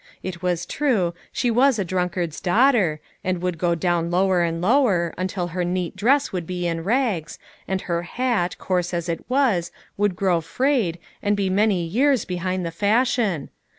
It was true, she was 'a drunkard's daughter, and would go down lower and lower, until her neat dress would be in rags, and her hat, coarse as it was, would grow frayed, and be many years behind the fashion.